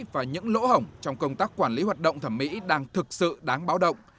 và những lỗ hỏng trong công tác quản lý hoạt động thẩm mỹ đang thực sự đáng báo động